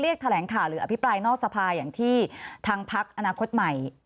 แถลงข่าวหรืออภิปรายนอกสภาอย่างที่ทางพักอนาคตใหม่